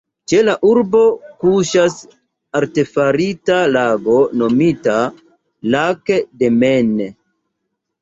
Ĉe la urbo kuŝas artefarita lago nomita "Lac de Maine".